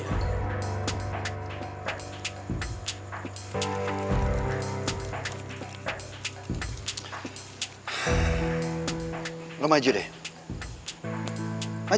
bang kubar selesai